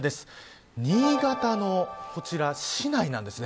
新潟のこちら、市内なんですね。